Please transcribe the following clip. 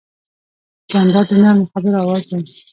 جانداد د نرمو خبرو آواز دی.